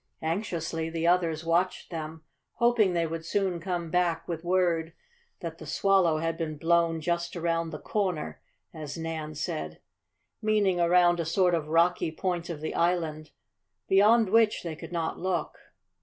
Anxiously the others watched them, hoping they would soon come back with word that the Swallow had been blown just around "the corner," as Nan said, meaning around a sort of rocky point of the island, beyond which they could not look.